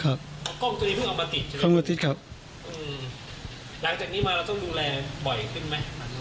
ครับกล้องจะได้เพิ่งเอามาติดเอามาติดครับอืมหลังจากนี้มาเราต้องดูแลบ่อยขึ้นไหม